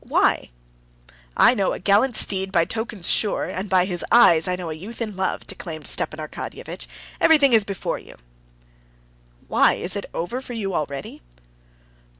"Why?" "'I know a gallant steed by tokens sure, And by his eyes I know a youth in love,'" declaimed Stepan Arkadyevitch. "Everything is before you." "Why, is it over for you already?"